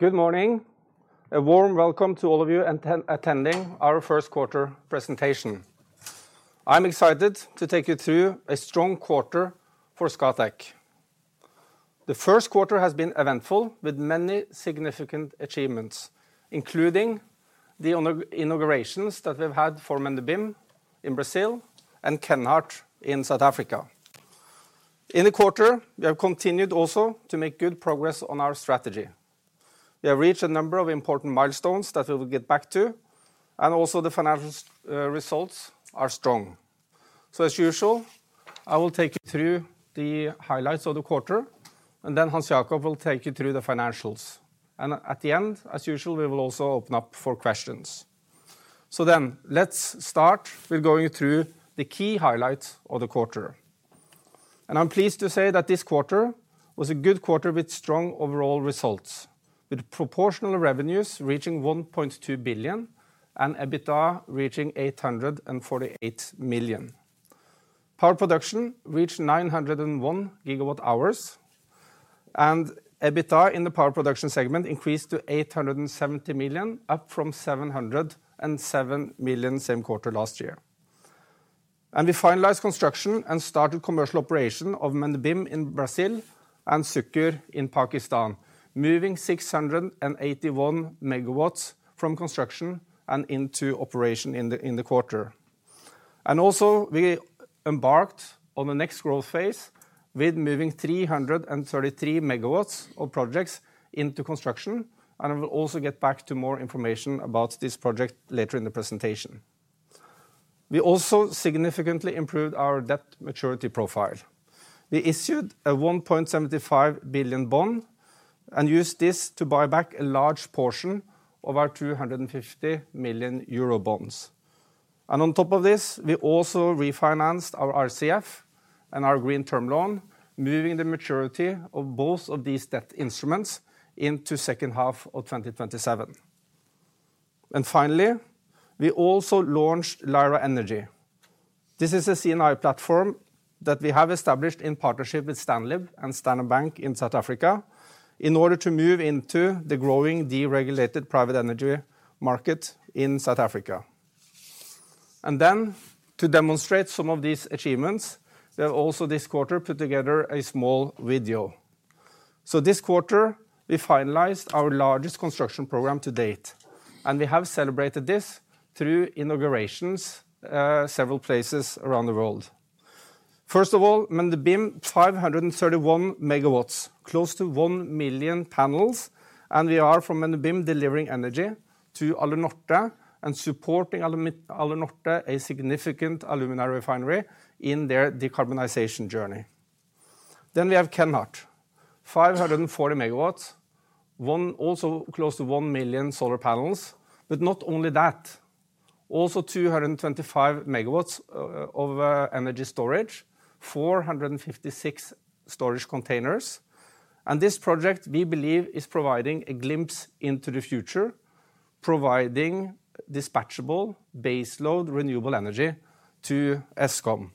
Good morning. A warm welcome to all of you attending our first quarter presentation. I'm excited to take you through a strong quarter for Scatec. The first quarter has been eventful, with many significant achievements, including the inaugurations that we've had for Mendubim in Brazil and Kenhardt in South Africa. In the quarter, we have continued also to make good progress on our strategy. We have reached a number of important milestones that we will get back to, and also the financial results are strong. So as usual, I will take you through the highlights of the quarter, and then Hans Jakob will take you through the financials. And at the end, as usual, we will also open up for questions. So then let's start with going through the key highlights of the quarter. I'm pleased to say that this quarter was a good quarter with strong overall results, with proportional revenues reaching 1.2 billion and EBITDA reaching 848 million. Power production reached 901 GWh, and EBITDA in the power production segment increased to 870 million, up from 707 million same quarter last year. We finalized construction and started commercial operation of Mendubim in Brazil and Sukkur in Pakistan, moving 681 MW from construction and into operation in the quarter. We also embarked on the next growth phase with moving 333 MW of projects into construction, and I will also get back to more information about this project later in the presentation. We also significantly improved our debt maturity profile. We issued a 1.75 billion bond and used this to buy back a large portion of our 250 million euro bonds. On top of this, we also refinanced our RCF and our green term loan, moving the maturity of both of these debt instruments into second half of 2027. Finally, we also launched Lyra Energy. This is a C&I platform that we have established in partnership with STANLIB and Standard Bank in South Africa, in order to move into the growing deregulated private energy market in South Africa. Then, to demonstrate some of these achievements, we have also this quarter put together a small video. This quarter, we finalized our largest construction program to date, and we have celebrated this through inaugurations, several places around the world. First of all, Mendubim, 531 megawatts, close to 1 million panels, and we are, from Mendubim, delivering energy to Alunorte and supporting Alunorte, a significant alumina refinery, in their decarbonization journey. Then we have Kenhardt, 540 megawatts, also close to 1 million solar panels, but not only that, also 225 megawatts of energy storage, 456 storage containers. And this project, we believe, is providing a glimpse into the future, providing dispatchable base load renewable energy to Eskom.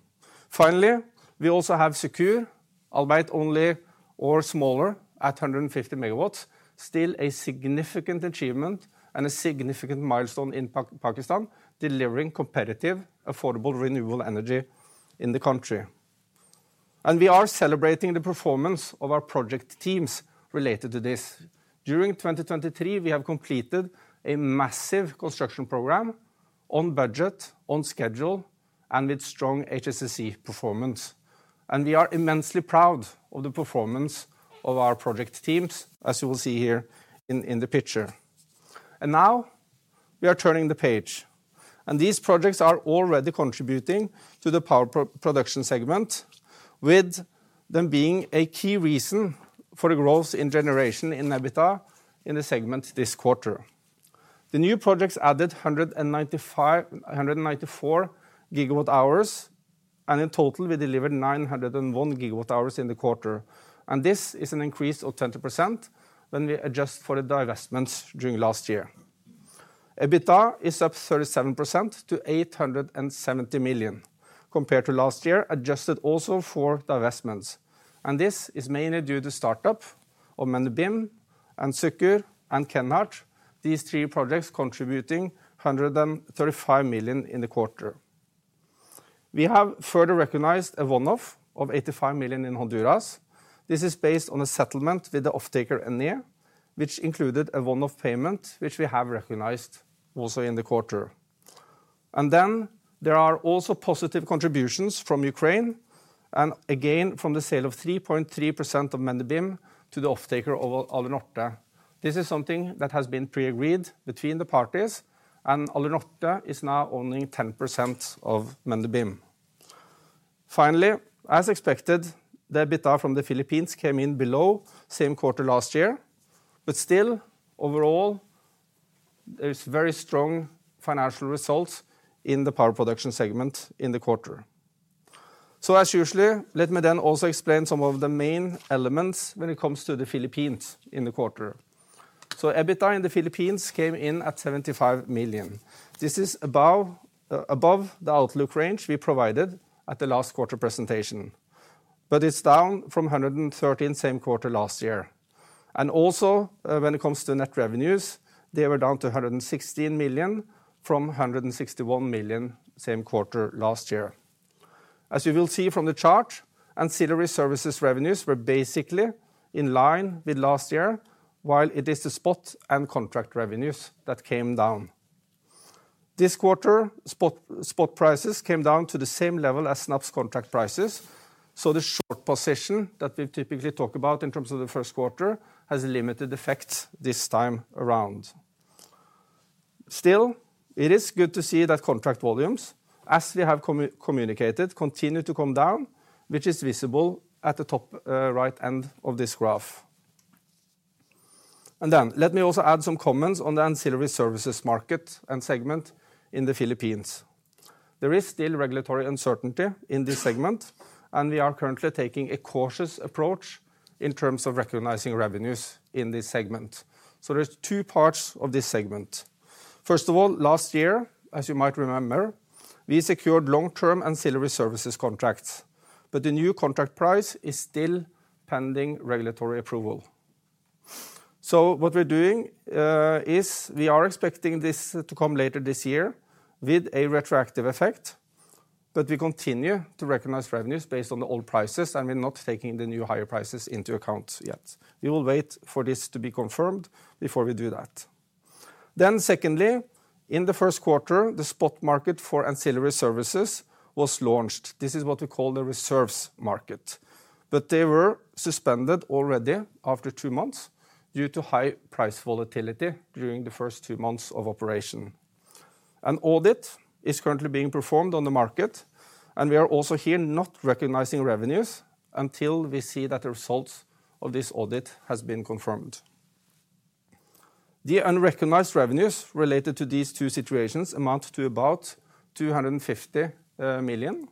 Finally, we also have Sukkur, albeit only or smaller at 150 megawatts, still a significant achievement and a significant milestone in Pakistan, delivering competitive, affordable, renewable energy in the country. And we are celebrating the performance of our project teams related to this. During 2023, we have completed a massive construction program on budget, on schedule, and with strong HSSE performance, and we are immensely proud of the performance of our project teams, as you will see here in the picture. And now we are turning the page, and these projects are already contributing to the power production segment, with them being a key reason for the growth in generation in EBITDA in the segment this quarter. The new projects added 194 GWh, and in total, we delivered 901 GWh in the quarter, and this is an increase of 20% when we adjust for the divestments during last year. EBITDA is up 37% to 870 million, compared to last year, adjusted also for divestments, and this is mainly due to startup of Mendubim and Sukkur and Kenhardt, these three projects contributing 135 million in the quarter. We have further recognized a one-off of 85 million in Honduras. This is based on a settlement with the offtaker, ENEE, which included a one-off payment, which we have recognized also in the quarter. And then there are also positive contributions from Ukraine and again from the sale of 3.3% of Mendubim to the offtaker of Alunorte. This is something that has been pre-agreed between the parties, and Alunorte is now owning 10% of Mendubim. Finally, as expected, the EBITDA from the Philippines came in below same quarter last year. But still, overall, there is very strong financial results in the power production segment in the quarter. So as usual, let me then also explain some of the main elements when it comes to the Philippines in the quarter. So EBITDA in the Philippines came in at 75 million. This is above the outlook range we provided at the last quarter presentation, but it's down from 113 million same quarter last year. And also, when it comes to net revenues, they were down to 116 million from 161 million same quarter last year. As you will see from the chart, ancillary services revenues were basically in line with last year, while it is the spot and contract revenues that came down. This quarter, spot prices came down to the same level as SNAPS contract prices, so the short position that we typically talk about in terms of the first quarter has a limited effect this time around. Still, it is good to see that contract volumes, as we have communicated, continue to come down, which is visible at the top, right end of this graph. Then let me also add some comments on the ancillary services market and segment in the Philippines. There is still regulatory uncertainty in this segment, and we are currently taking a cautious approach in terms of recognizing revenues in this segment. So there's two parts of this segment. First of all, last year, as you might remember, we secured long-term ancillary services contracts, but the new contract price is still pending regulatory approval. So what we're doing is we are expecting this to come later this year with a retroactive effect, but we continue to recognize revenues based on the old prices, and we're not taking the new higher prices into account yet. We will wait for this to be confirmed before we do that. Then secondly, in the first quarter, the spot market for ancillary services was launched. This is what we call the reserves market. But they were suspended already after 2 months due to high price volatility during the first 2 months of operation. An audit is currently being performed on the market, and we are also here not recognizing revenues until we see that the results of this audit has been confirmed. The unrecognized revenues related to these two situations amount to about 250 million.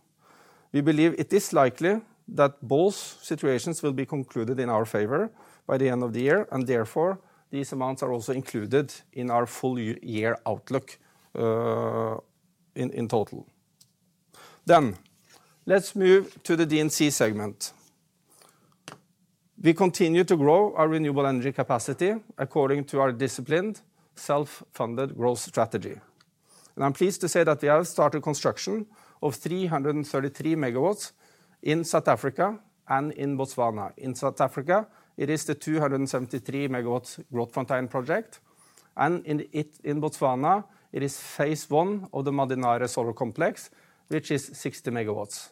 We believe it is likely that both situations will be concluded in our favor by the end of the year, and therefore, these amounts are also included in our full-year outlook, in total. Let's move to the D&C segment. We continue to grow our renewable energy capacity according to our disciplined, self-funded growth strategy. I'm pleased to say that we have started construction of 333 MW in South Africa and in Botswana. In South Africa, it is the 273 MW Grootfontein project, and in Botswana, it is phase one of the Madinare Solar Complex, which is 60 MW.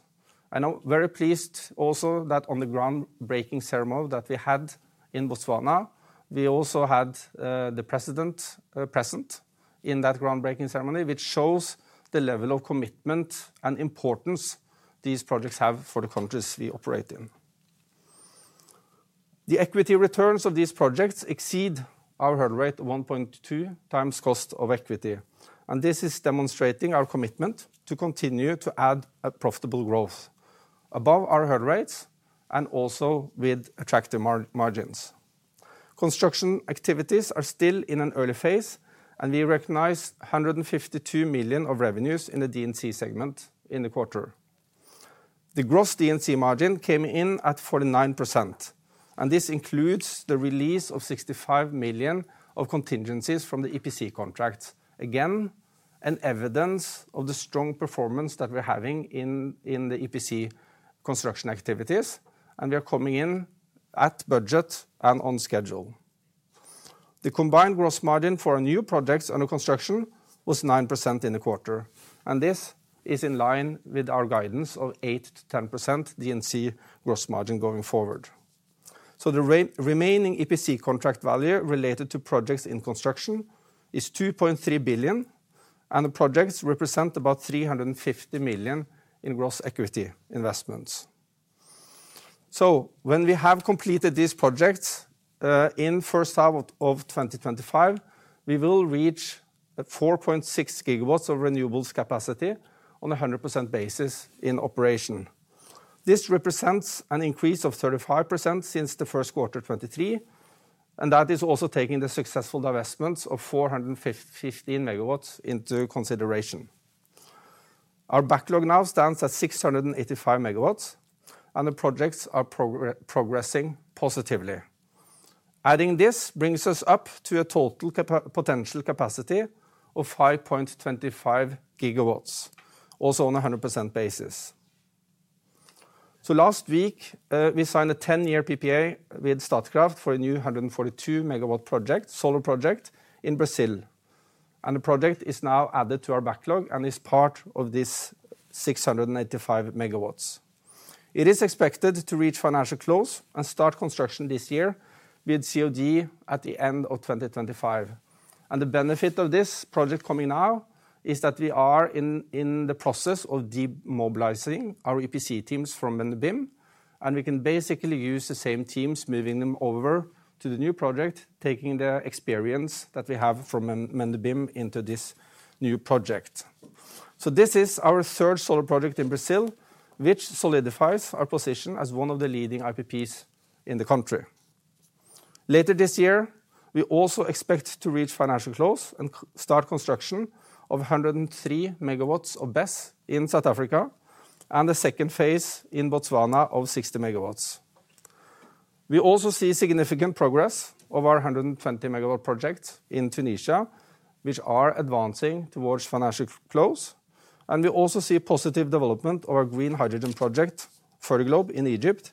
I'm very pleased also that on the groundbreaking ceremony that we had in Botswana, we also had, the president, present in that groundbreaking ceremony, which shows the level of commitment and importance these projects have for the countries we operate in. The equity returns of these projects exceed our hurdle rate of 1.2x cost of equity, and this is demonstrating our commitment to continue to add a profitable growth above our hurdle rates and also with attractive margins. Construction activities are still in an early phase, and we recognize 152 million of revenues in the D&C segment in the quarter. The gross D&C margin came in at 49%, and this includes the release of 65 million of contingencies from the EPC contract. Again, an evidence of the strong performance that we're having in the EPC construction activities, and we are coming in at budget and on schedule. The combined gross margin for our new projects under construction was 9% in the quarter, and this is in line with our guidance of 8%-10% D&C gross margin going forward. So the remaining EPC contract value related to projects in construction is 2.3 billion, and the projects represent about 350 million in gross equity investments. So when we have completed these projects in first half of 2025, we will reach 4.6 GW of renewables capacity on a 100% basis in operation. This represents an increase of 35% since Q1 2023, and that is also taking the successful divestments of 415 MW into consideration. Our backlog now stands at 685 MW, and the projects are progressing positively. Adding this brings us up to a total potential capacity of 5.25 GW, also on a 100% basis. Last week, we signed a 10-year PPA with Statkraft for a new 142 MW solar project in Brazil, and the project is now added to our backlog and is part of this 685 MW. It is expected to reach financial close and start construction this year, with COD at the end of 2025. The benefit of this project coming now is that we are in the process of demobilizing our EPC teams from Mendubim, and we can basically use the same teams, moving them over to the new project, taking the experience that we have from Mendubim into this new project. So this is our third solar project in Brazil, which solidifies our position as one of the leading IPPs in the country. Later this year, we also expect to reach financial close and start construction of 103 MW of BESS in South Africa, and a second phase in Botswana of 60 MW. We also see significant progress of our 120-MW projects in Tunisia, which are advancing towards financial close, and we also see positive development of our green hydrogen project, Fertiglobe, in Egypt,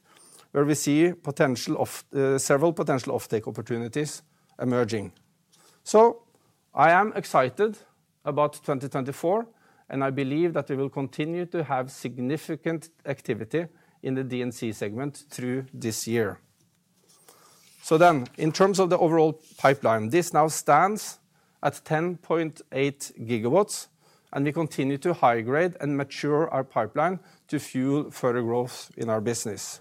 where we see potential of several potential offtake opportunities emerging. So I am excited about 2024, and I believe that we will continue to have significant activity in the D&C segment through this year. In terms of the overall pipeline, this now stands at 10.8 GW, and we continue to high-grade and mature our pipeline to fuel further growth in our business.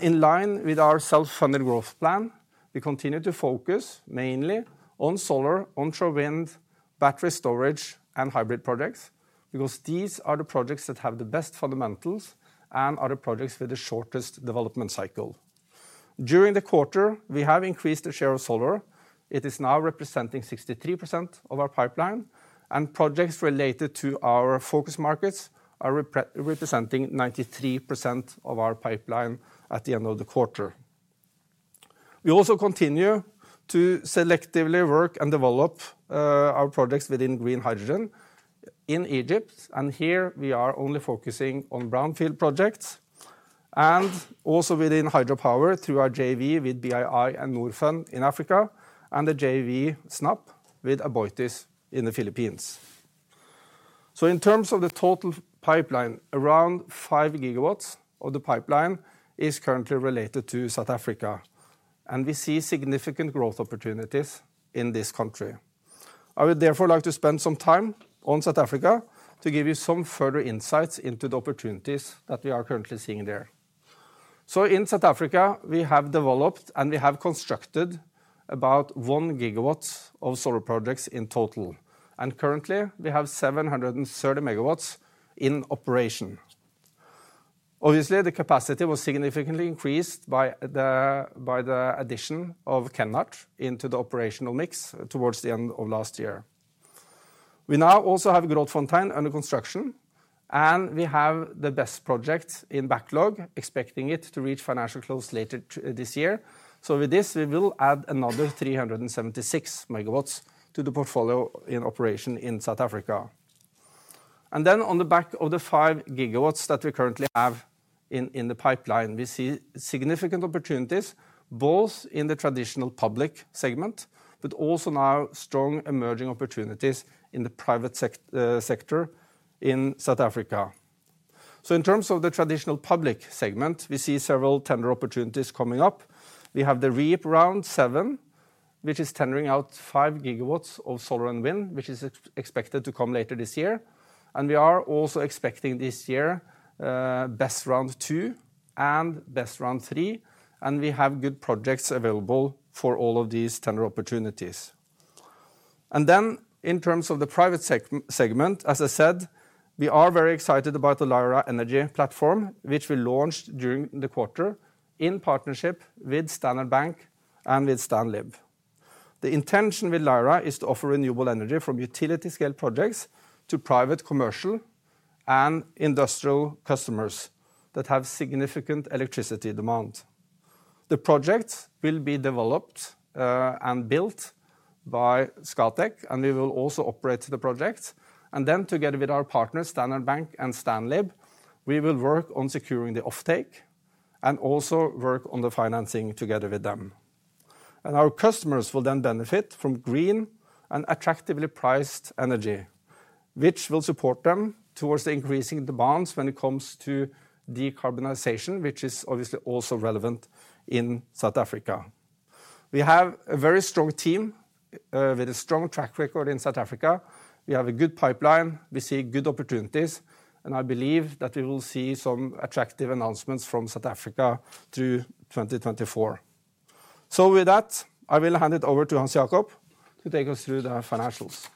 In line with our self-funded growth plan, we continue to focus mainly on solar, onshore wind, battery storage, and hybrid projects, because these are the projects that have the best fundamentals and are the projects with the shortest development cycle. During the quarter, we have increased the share of solar. It is now representing 63% of our pipeline, and projects related to our focus markets are representing 93% of our pipeline at the end of the quarter. We also continue to selectively work and develop our projects within green hydrogen in Egypt, and here we are only focusing on brownfield projects, and also within hydropower, through our JV with BII and Norfund in Africa, and the JV SNUP with Aboitiz in the Philippines. So in terms of the total pipeline, around 5 GW of the pipeline is currently related to South Africa, and we see significant growth opportunities in this country. I would therefore like to spend some time on South Africa to give you some further insights into the opportunities that we are currently seeing there. So in South Africa, we have developed, and we have constructed about 1 GW of solar projects in total, and currently, we have 730 MW in operation. Obviously, the capacity was significantly increased by the addition of Kenhardt into the operational mix towards the end of last year. We now also have Grootfontein under construction, and we have the BESS projects in backlog, expecting it to reach financial close later this year. So with this, we will add another 376 MW to the portfolio in operation in South Africa. And then on the back of the 5 GW that we currently have in the pipeline, we see significant opportunities, both in the traditional public segment, but also now strong emerging opportunities in the private sector in South Africa. So in terms of the traditional public segment, we see several tender opportunities coming up. We have the REIPPP Round Seven, which is tendering out 5 GW of solar and wind, which is expected to come later this year. We are also expecting this year BESS Round Two and BESS Round Three, and we have good projects available for all of these tender opportunities. Then, in terms of the private segment, as I said, we are very excited about the Lyra Energy platform, which we launched during the quarter in partnership with Standard Bank and with STANLIB. The intention with Lyra is to offer renewable energy from utility-scale projects to private, commercial, and industrial customers that have significant electricity demand. The project will be developed and built by Scatec, and we will also operate the project. Then, together with our partners, Standard Bank and STANLIB, we will work on securing the offtake and also work on the financing together with them. Our customers will then benefit from green and attractively priced energy, which will support them towards the increasing demands when it comes to decarbonization, which is obviously also relevant in South Africa. We have a very strong team with a strong track record in South Africa. We have a good pipeline, we see good opportunities, and I believe that we will see some attractive announcements from South Africa through 2024. So with that, I will hand it over to Hans Jakob to take us through the financials.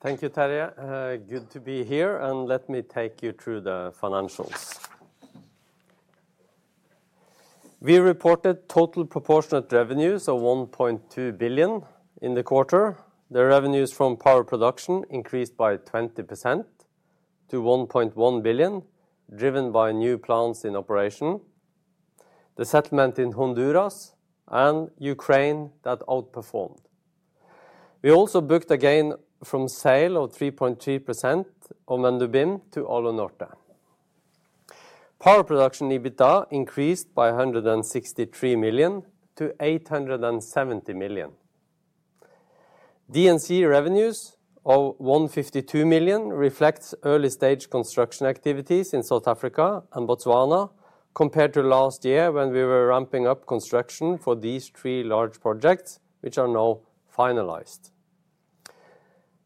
Thank you, Terje. Good to be here, and let me take you through the financials. We reported total proportionate revenues of 1.2 billion in the quarter. The revenues from power production increased by 20% to 1.1 billion, driven by new plants in operation, the settlement in Honduras and Ukraine that outperformed. We also booked a gain from sale of 3.3% of Mendubim to Alunorte. Power production EBITDA increased by 163 million-870 million. D&C revenues of 152 million reflects early-stage construction activities in South Africa and Botswana, compared to last year, when we were ramping up construction for these three large projects, which are now finalized.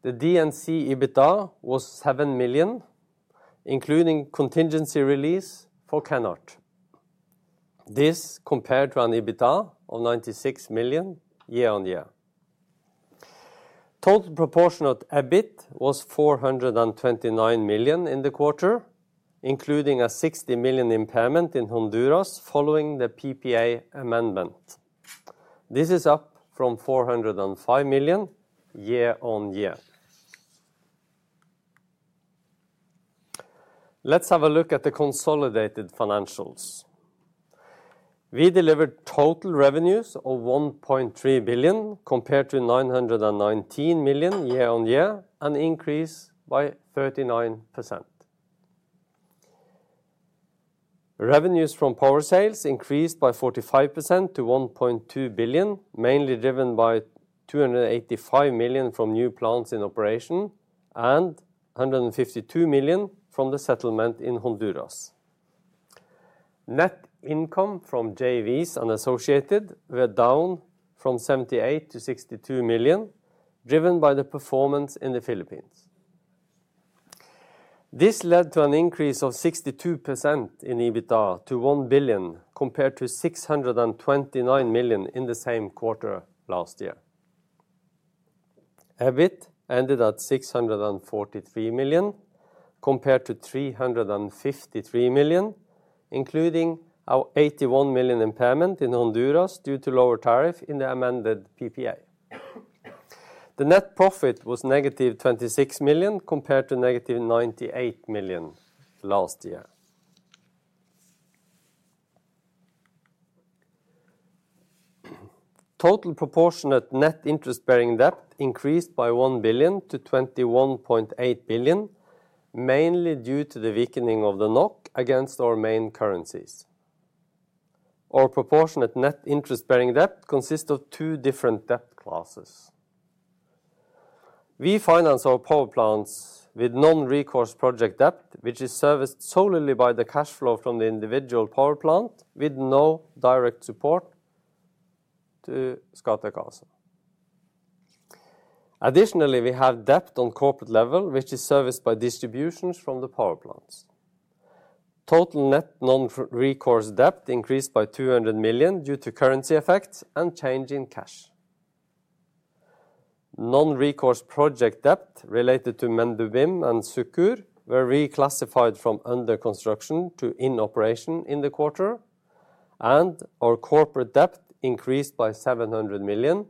The D&C EBITDA was 7 million, including contingency release for Kenhardt. This compared to an EBITDA of 96 million year-on-year. Total proportionate EBIT was 429 million in the quarter, including a 60 million impairment in Honduras following the PPA amendment. This is up from 405 million year-on-year. Let's have a look at the consolidated financials. We delivered total revenues of 1.3 billion, compared to 919 million year-on-year, an increase by 39%. Revenues from power sales increased by 45% to 1.2 billion, mainly driven by 285 million from new plants in operation and 152 million from the settlement in Honduras. Net income from JVs and associated were down from 78 to 62 million, driven by the performance in the Philippines. This led to an increase of 62% in EBITDA to 1 billion, compared to 629 million in the same quarter last year. EBIT ended at 643 million, compared to 353 million, including our 81 million impairment in Honduras due to lower tariff in the amended PPA. The net profit was -26 million, compared to -98 million last year. Total proportionate net interest-bearing debt increased by 1 billion to 21.8 billion, mainly due to the weakening of the NOK against our main currencies. Our proportionate net interest-bearing debt consists of two different debt classes. We finance our power plants with non-recourse project debt, which is serviced solely by the cash flow from the individual power plant, with no direct support to Scatec. Additionally, we have debt on corporate level, which is serviced by distributions from the power plants. Total net non-recourse debt increased by 200 million due to currency effects and change in cash. Non-recourse project debt related to Mendubim and Sukkur were reclassified from under construction to in operation in the quarter, and our corporate debt increased by 700 million,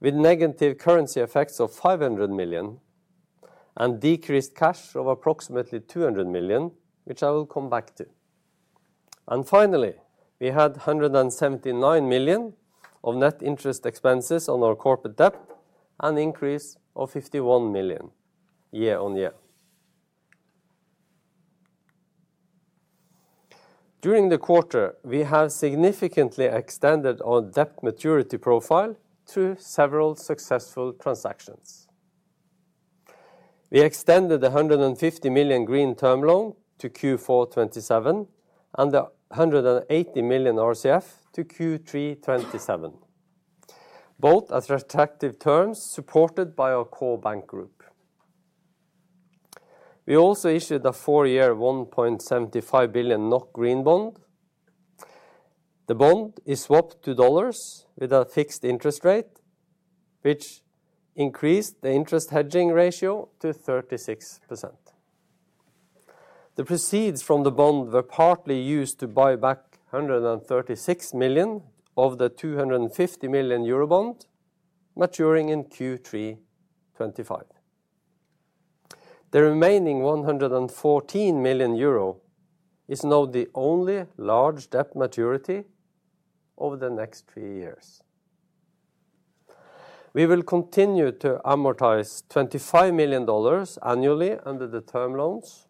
with negative currency effects of 500 million and decreased cash of approximately 200 million, which I will come back to. Finally, we had 179 million of net interest expenses on our corporate debt, an increase of 51 million year-on-year. During the quarter, we have significantly extended our debt maturity profile through several successful transactions. We extended the 150 million green term loan to Q4 2027 and the 180 million RCF to Q3 2027, both at attractive terms supported by our core bank group. We also issued a four-year, 1.75 billion NOK green bond. The bond is swapped to dollars with a fixed interest rate, which increased the interest hedging ratio to 36%. The proceeds from the bond were partly used to buy back 136 million of the 250 million euro bond, maturing in Q3 2025. The remaining 114 million euro is now the only large debt maturity over the next three years. We will continue to amortize $25 million annually under the term loans,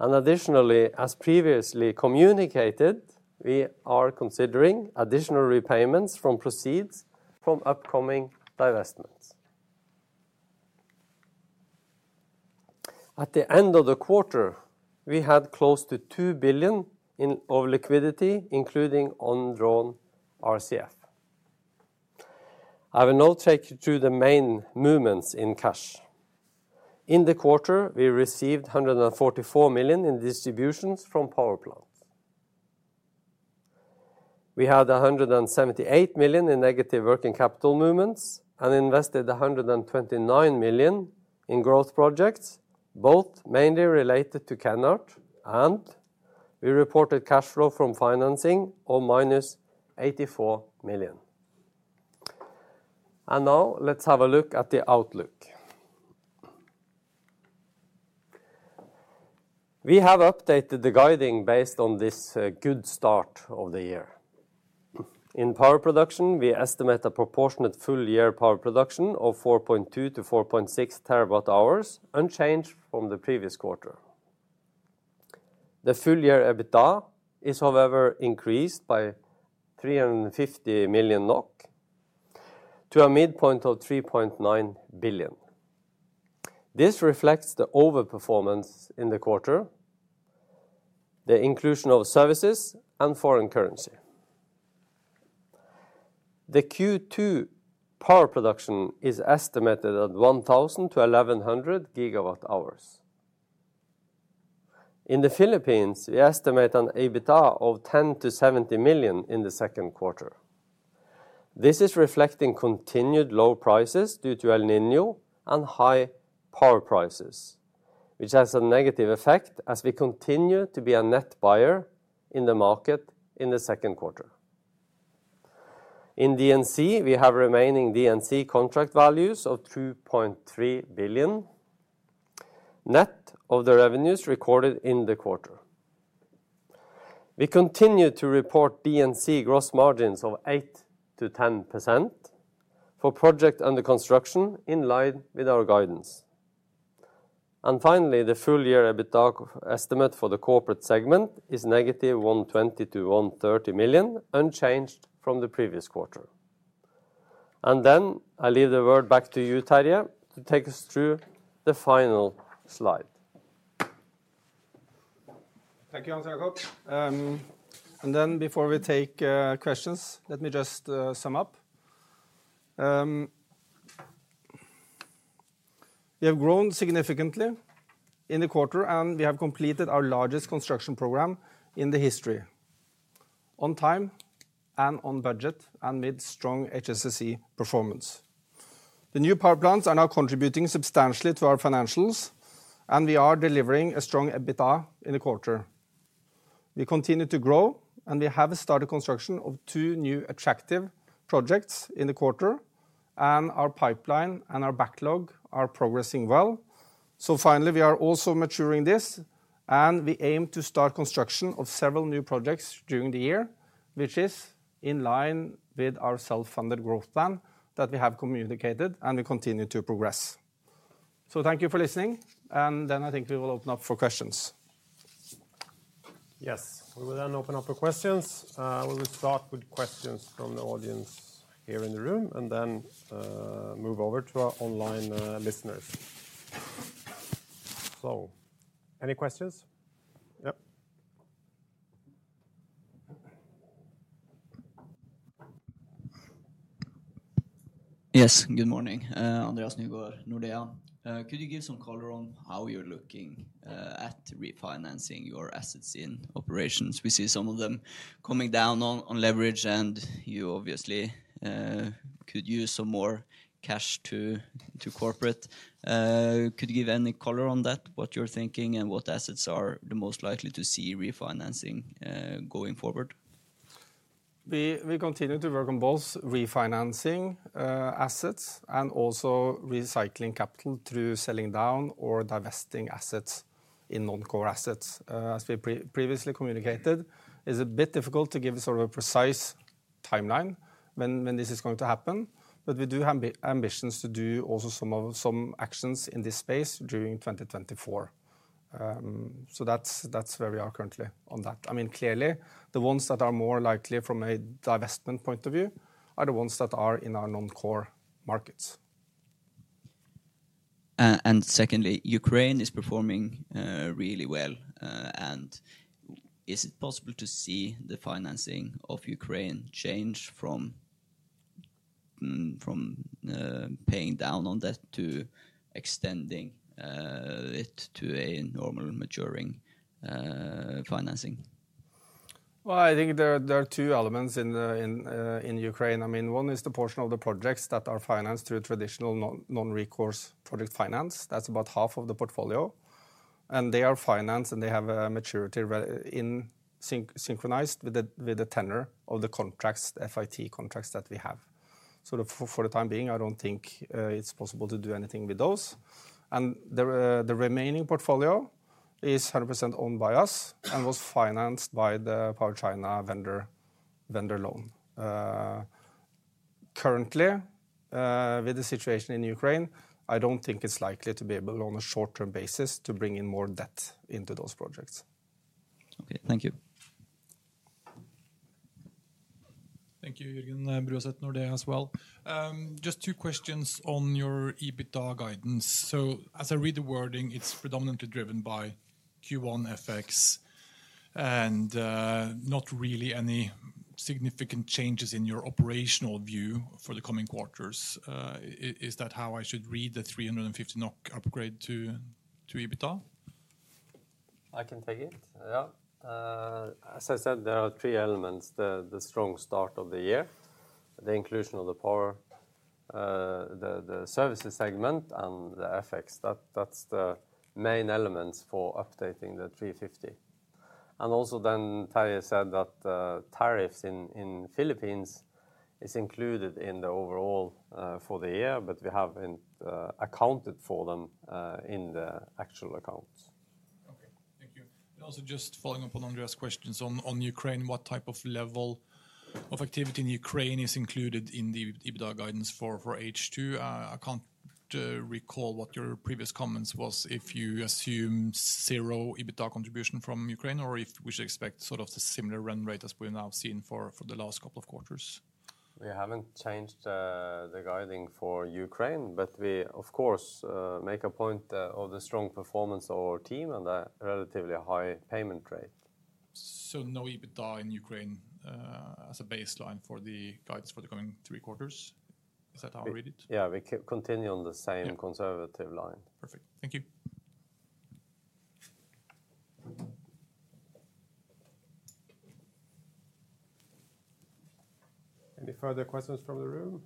and additionally, as previously communicated, we are considering additional repayments from proceeds from upcoming divestments. At the end of the quarter, we had close to 2 billion in liquidity, including undrawn RCF. I will now take you through the main movements in cash. In the quarter, we received $144 million in distributions from power plants. We had 178 million in negative working capital movements and invested 129 million in growth projects, both mainly related to Kenhardt, and we reported cash flow from financing of -84 million. Now let's have a look at the outlook. We have updated the guidance based on this good start of the year. In power production, we estimate a proportionate full year power production of 4.2-4.6 TWh, unchanged from the previous quarter. The full year EBITDA is, however, increased by 350 million NOK to a midpoint of 3.9 billion. This reflects the overperformance in the quarter, the inclusion of services and foreign currency. The Q2 power production is estimated at 1,000-1,100 GWh. In the Philippines, we estimate an EBITDA of 10 million-70 million in the second quarter. This is reflecting continued low prices due to El Niño and high power prices, which has a negative effect as we continue to be a net buyer in the market in the second quarter. In D&C, we have remaining D&C contract values of 2.3 billion, net of the revenues recorded in the quarter. We continue to report D&C gross margins of 8%-10% for projects under construction, in line with our guidance. And finally, the full-year EBITDA estimate for the corporate segment is -120 million--130 million, unchanged from the previous quarter. Then I hand the word back to you, Terje, to take us through the final slide. Thank you, Hans Jakob. And then before we take questions, let me just sum up. We have grown significantly in the quarter, and we have completed our largest construction program in the history, on time and on budget, and with strong HSSE performance. The new power plants are now contributing substantially to our financials, and we are delivering a strong EBITDA in the quarter. We continue to grow, and we have started construction of two new attractive projects in the quarter, and our pipeline and our backlog are progressing well. So finally, we are also maturing this, and we aim to start construction of several new projects during the year, which is in line with our self-funded growth plan that we have communicated and we continue to progress. So thank you for listening, and then I think we will open up for questions. Yes, we will then open up for questions. We will start with questions from the audience here in the room and then, move over to our online, listeners. So any questions? Yep. Yes, good morning. Andreas Nygård, Nordea. Could you give some color on how you're looking at refinancing your assets in operations? We see some of them coming down on, on leverage, and you obviously could use some more cash to, to corporate. Could you give any color on that, what you're thinking and what assets are the most likely to see refinancing going forward? We continue to work on both refinancing assets and also recycling capital through selling down or divesting assets in non-core assets. As we previously communicated, it's a bit difficult to give a sort of a precise timeline when this is going to happen, but we do have ambitions to do also some of some actions in this space during 2024. So that's where we are currently on that. I mean, clearly, the ones that are more likely from a divestment point of view are the ones that are in our non-core markets. And secondly, Ukraine is performing really well, and is it possible to see the financing of Ukraine change from paying down on debt to extending it to a normal maturing financing? Well, I think there are two elements in Ukraine. I mean, one is the portion of the projects that are financed through traditional non-recourse project finance. That's about half of the portfolio, and they are financed, and they have a maturity synchronized with the tenor of the contracts, FIT contracts, that we have. So for the time being, I don't think it's possible to do anything with those. And the remaining portfolio is 100% owned by us and was financed by the Power China vendor loan. Currently, with the situation in Ukraine, I don't think it's likely to be able, on a short-term basis, to bring in more debt into those projects. Okay. Thank you. Thank you, Jørgen Bruaset, Nordea as well. Just two questions on your EBITDA guidance. So as I read the wording, it's predominantly driven by Q1 FX and not really any significant changes in your operational view for the coming quarters. Is that how I should read the 350 NOK upgrade to EBITDA? I can take it. Yeah. As I said, there are three elements: the strong start of the year, the inclusion of the power services segment, and the FX. That's the main elements for updating the 350. Also, then Terje said that tariffs in Philippines is included in the overall for the year, but we haven't accounted for them in the actual accounts. Okay. Thank you. And also just following up on Andreas' questions on Ukraine, what type of level of activity in Ukraine is included in the EBITDA guidance for H2? I can't recall what your previous comments was, if you assume zero EBITDA contribution from Ukraine or if we should expect sort of the similar run rate as we've now seen for the last couple of quarters. We haven't changed the guidance for Ukraine, but we, of course, make a point of the strong performance of our team and the relatively high payment rate.... So no EBITDA in Ukraine as a baseline for the guidance for the coming three quarters? Is that how I read it? Yeah, we keep continuing on the same- Yeah... conservative line. Perfect. Thank you. Any further questions from the room?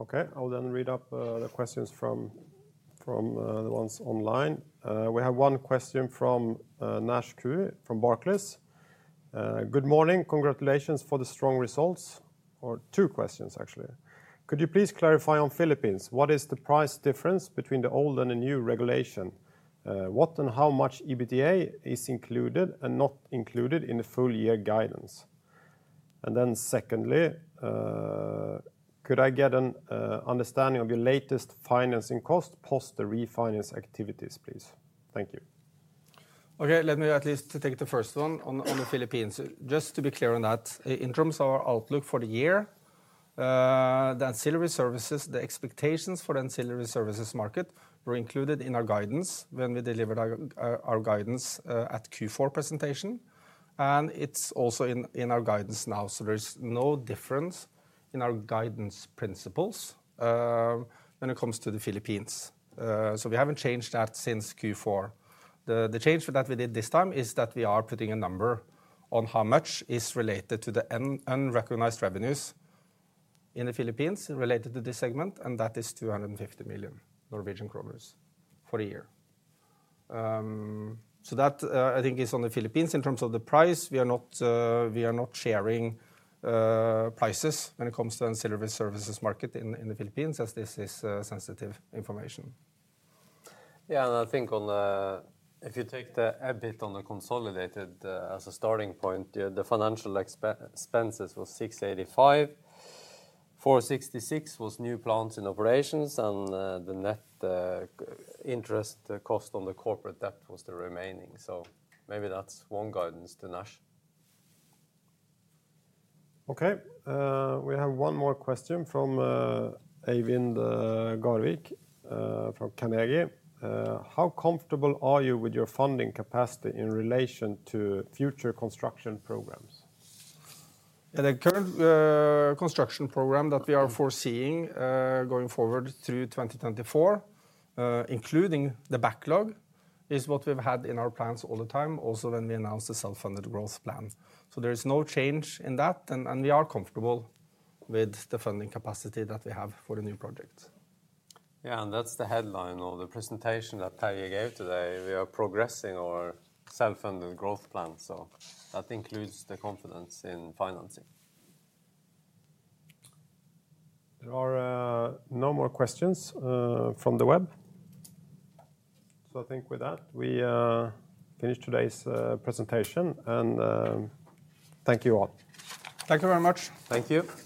Okay, I'll then read up the questions from the ones online. We have one question from Nash Ku from Barclays. "Good morning. Congratulations for the strong results." Or two questions, actually. "Could you please clarify on Philippines, what is the price difference between the old and the new regulation? What and how much EBITDA is included and not included in the full year guidance? And then secondly, could I get an understanding of your latest financing cost post the refinance activities, please? Thank you. Okay, let me at least take the first one on the Philippines. Just to be clear on that, in terms of our outlook for the year, the ancillary services, the expectations for the ancillary services market were included in our guidance when we delivered our guidance at Q4 presentation, and it's also in our guidance now. So there's no difference in our guidance principles, when it comes to the Philippines. So we haven't changed that since Q4. The change that we did this time is that we are putting a number on how much is related to the unrecognized revenues in the Philippines related to this segment, and that is 250 million Norwegian kroner for a year. So that, I think is on the Philippines. In terms of the price, we are not sharing prices when it comes to ancillary services market in the Philippines, as this is sensitive information. Yeah, and I think on the... If you take the EBIT on the consolidated, as a starting point, the financial expenses was 685, 466 was new plants and operations, and the net interest cost on the corporate debt was the remaining. So maybe that's one guidance to Nash. Okay, we have one more question from Eivind Garvik from Carnegie. "How comfortable are you with your funding capacity in relation to future construction programs? In the current construction program that we are foreseeing going forward through 2024, including the backlog, is what we've had in our plans all the time, also when we announced the self-funded growth plan. There is no change in that, and we are comfortable with the funding capacity that we have for the new project. Yeah, and that's the headline of the presentation that Terje gave today. We are progressing our self-funded growth plan, so that includes the confidence in financing. There are no more questions from the web. So I think with that, we finish today's presentation, and thank you all. Thank you very much. Thank you.